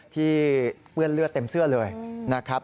เปื้อนเลือดเต็มเสื้อเลยนะครับ